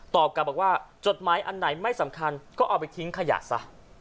กลับบอกว่าจดหมายอันไหนไม่สำคัญก็เอาไปทิ้งขยะซะ